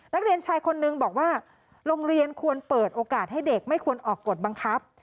นักเรียนชายคนนึงบอกว่าโรงเรียนควรเปิดโอกาสให้เด็กไม่ควรออกกฎบังคับ